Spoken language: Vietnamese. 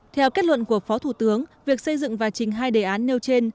theo kết luận của phó thủ tướng việc xây dựng và trình hai đề án nêu trên